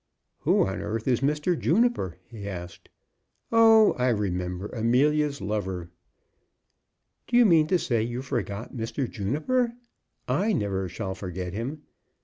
"Who on earth is Mr. Juniper?" he asked. "Oh, I remember; Amelia's lover." "Do you mean to say you forgot Mr. Juniper? I never shall forget him.